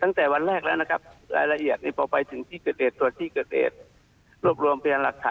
นะครับไม่ค่อยวันนี้เราก็ก่อนจิตนะครับก่อนจิต